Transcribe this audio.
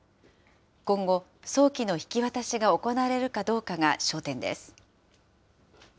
今後、早期の引き渡しが行われるかどうかが焦点です。